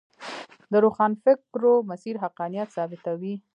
د روښانفکرو مسیر حقانیت ثابتوي.